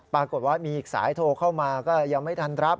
ปรากฏว่ามีอีกสายโทรเข้ามาก็ยังไม่ทันรับ